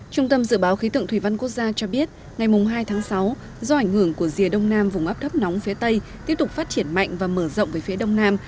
trung tâm dự báo khí tượng thủy văn quốc gia cho biết ngày hai tháng sáu do ảnh hưởng của rìa đông nam vùng áp thấp nóng phía tây tiếp tục phát triển mạnh và mở rộng về phía đông nam